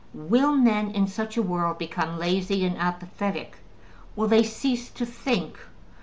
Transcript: Will men in such a world become lazy and apathetic? Will they cease to think?